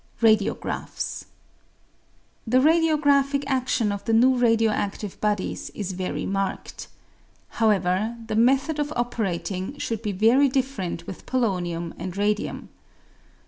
Radiographs. — The radiographic adion of the new radio active bodies is very marked. However, the method of operating should be very different with polonium and radium.